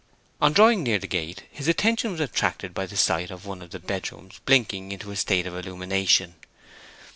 On drawing near the gate his attention was attracted by the sight of one of the bedrooms blinking into a state of illumination.